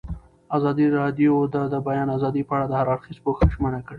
ازادي راډیو د د بیان آزادي په اړه د هر اړخیز پوښښ ژمنه کړې.